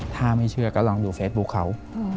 ถ้าไม่เชื่อก็ลองดูเฟซบุ๊คเขา